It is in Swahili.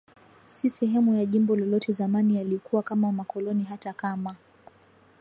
si sehemu ya jimbo lolote Zamani yalikuwa kama makoloni hata kama